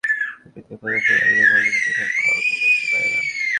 সরকার কোনো অজুহাতেই সংবিধানে প্রদত্ত নাগরিকের মৌলিক অধিকার খর্ব করতে পারে না।